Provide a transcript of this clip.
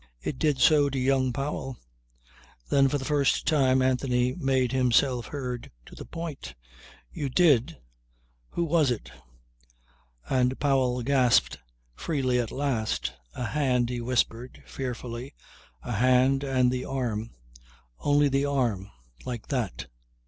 It did so to young Powell. Then for the first time Anthony made himself heard to the point. "You did! ... Who was it?" And Powell gasped freely at last. "A hand," he whispered fearfully, "a hand and the arm only the arm like that."